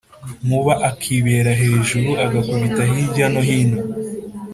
nkuba akibera hejuru agakubita hilya no hino.